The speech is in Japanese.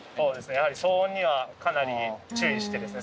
やはり騒音にはかなり注意してですね